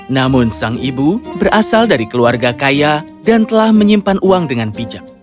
namun sang ibu berasal dari keluarga kaya dan telah menyimpan uang dengan bijak